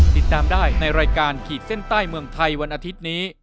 โปรดติดตามตอนต่อไป